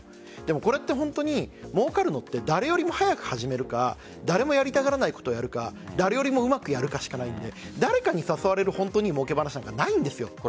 これって本当にもうかるのって誰よりも早く始めるか誰もやりたがらないことやるか誰よりもうまくやるかしかないので誰かに誘われるようなもうけ話はないんです。